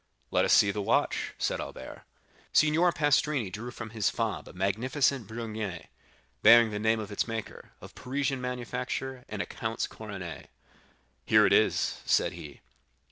"Let us see the watch," said Albert. Signor Pastrini drew from his fob a magnificent Bréguet, bearing the name of its maker, of Parisian manufacture, and a count's coronet. "Here it is," said he.